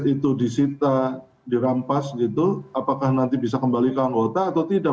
apakah itu disita dirampas gitu apakah nanti bisa kembalikan anggota atau tidak